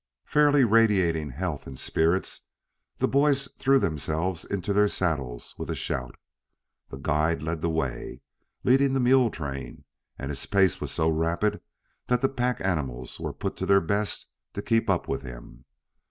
Fairly radiating health and spirits, the boys threw themselves into their saddles with a shout. The guide led the way, leading the mule train, and his pace was so rapid that the pack animals were put to their best to keep up with him.